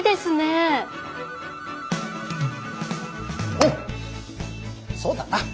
おっそうだな。